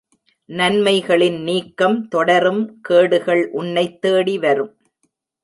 நன்மைகளின் நீக்கம் தொடரும் கேடுகள் உன்னைத் தேடி வரும்.